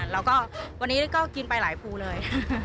แล้วก็วันนี้ก็กินไปหลายภูเลย